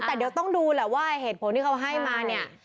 แต่เดี๋ยวต้องดูแหละว่าเหตุผลที่เขาให้มาเนี่ย